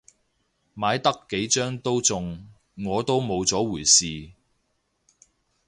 買得幾張都中，我都冇咗回事